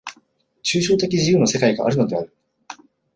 抽象的自由の世界があるのである。